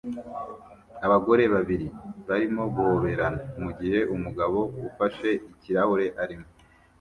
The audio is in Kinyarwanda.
Abagore babiri barimo guhoberana mu gihe umugabo ufashe ikirahure arimo